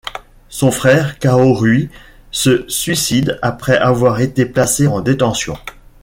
Son frère, Cao Rui, se suicide après avoir été placé en détention.